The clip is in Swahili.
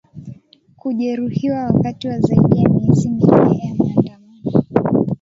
kujeruhiwa wakati wa zaidi ya miezi minne ya maandamano